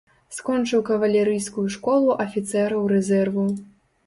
Скончыў кавалерыйскую школу афіцэраў рэзерву.